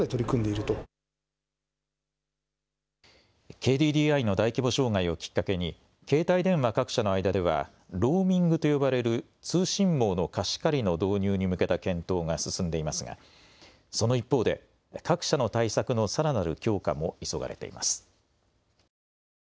ＫＤＤＩの大規模障害をきっかけに携帯電話各社の間ではローミングと呼ばれる通信網の貸し借りの導入に向けた検討が進んでいますがその一方で各社の対策のさらなる強化も急がれています。